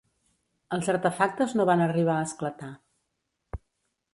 Els artefactes no van arribar a esclatar.